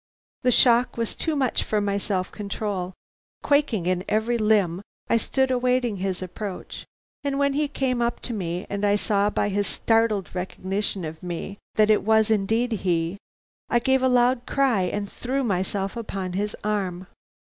The shock was too much for my self control. Quaking in every limb, I stood awaiting his approach, and when he came up to me, and I saw by his startled recognition of me that it was indeed he, I gave a loud cry and threw myself upon his arm.